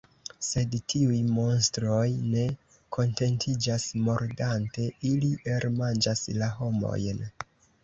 Sed tiuj monstroj ne kontentiĝas mordante, ili elmanĝas la homojn!